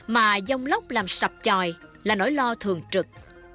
mà dông lốc làm sập tròi là nỗi lo thường trực